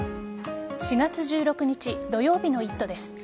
４月１６日土曜日の「イット！」です。